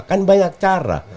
kan banyak cara